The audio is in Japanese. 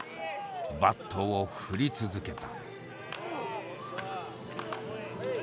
バットを振り続けた。